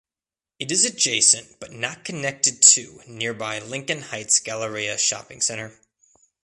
It is adjacent but not connected to nearby Lincoln Heights Galleria Shopping Centre.